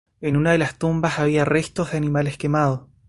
En una de las tumbas había restos de animales quemados.